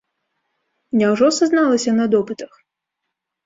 Няўжо сазналася на допытах?